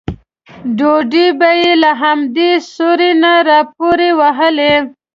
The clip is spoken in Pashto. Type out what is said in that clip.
ډوډۍ به یې له همدې سوري نه راپورې وهله.